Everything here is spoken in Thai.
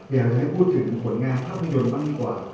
อยากจะให้พูดถึงผลงานภาพยนตร์บ้างดีกว่า